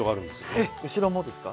え後ろもですか？